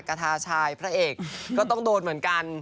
กระทาชายพระเอกก็ต้องโดนเหมือนกัน